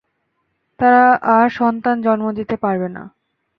তারা আর সন্তান জন্ম দিতে পারবে না।